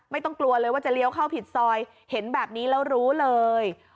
ไม่ต้องกลัวเลยว่าจะเลี้ยวเข้าผิดซอยเห็นแบบนี้แล้วรู้เลย